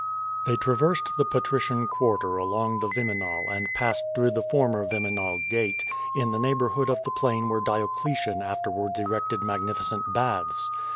They traversed the Patrician quarter along the Viminal and passed through the former Viminal gate, in the neigh borhood of the plain where Diocletian afterwards erected mag nificent baths.